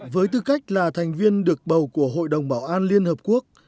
với tư cách là thành viên được bầu của hội đồng bảo an liên hợp quốc